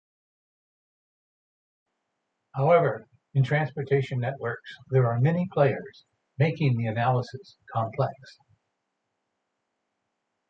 However, in transportation networks, there are many players, making the analysis complex.